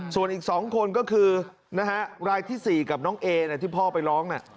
ส่วนอีก๒คนก็คือรายที่๔กับน้องเอที่พ่อไปร้อง